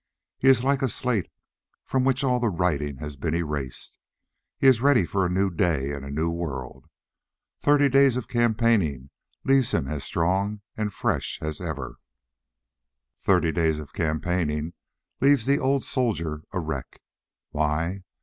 He is like a slate from which all the writing has been erased. He is ready for a new day and a new world. Thirty days of campaigning leaves him as strong and fresh as ever. "Thirty days of campaigning leaves the old soldier a wreck. Why?